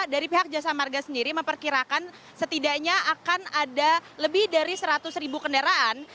dari pihak jasa marga sendiri memperkirakan setidaknya akan ada lebih dari seratus ribu kendaraan